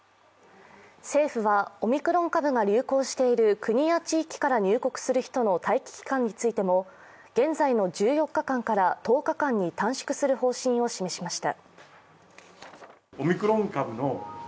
政府はオミクロン株が流行している国や地域から入国する人の待機期間についても、現在の１４日間から１０日間に短縮する方針を示しました。